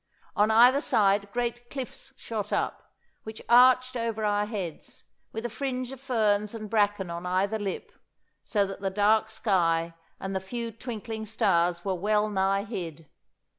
On either side great cliffs shot up, which arched over our heads, with a fringe of ferns and bracken on either lip, so that the dark sky and the few twinkling stars were well nigh hid.